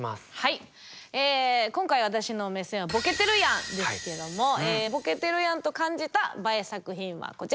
今回私の目線は「ボケてるやん」ですけども「ボケてるやんと」感じたＢＡＥ作品はこちらです。